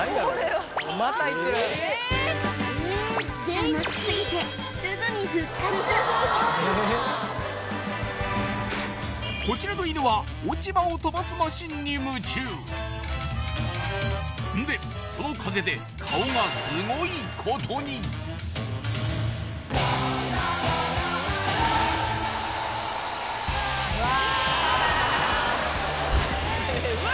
楽しすぎてこちらの犬は落ち葉を飛ばすマシンに夢中んでその風で顔がすごいことにうわ！